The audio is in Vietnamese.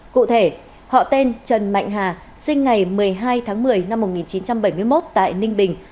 cụ thể họ tên trần mạnh hà sinh ngày một mươi hai tháng một mươi năm một nghìn chín trăm bảy mươi một tại ninh bình